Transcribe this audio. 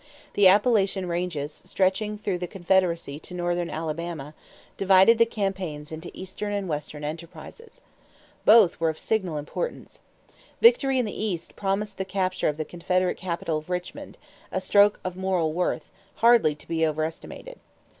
The Appalachian ranges, stretching through the Confederacy to Northern Alabama, divided the campaigns into Eastern and Western enterprises. Both were of signal importance. Victory in the East promised the capture of the Confederate capital of Richmond, a stroke of moral worth, hardly to be overestimated.